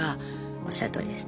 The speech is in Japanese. おっしゃるとおりです。